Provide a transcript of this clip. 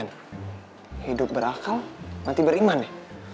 hidup berakal nanti beriman ya